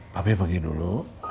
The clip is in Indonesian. papi pagi dulu